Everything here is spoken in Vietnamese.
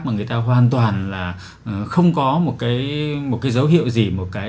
mà người ta hoàn toàn là không có một cái dấu hiệu gì